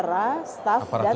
yang penting adalah mengawasi